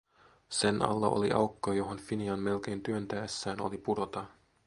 Sen alla oli aukko, johon Finian melkein työntäessään oli pudota.